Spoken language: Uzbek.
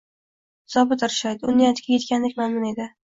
Zobit irshaydi, u niyatiga etgandek mamnun edi